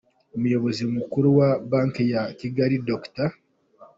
Umuyobozi mukuru wa Banki ya Kigali, Dr.